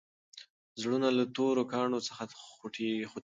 زړونه له تورو کاڼو څخه خوټېږي.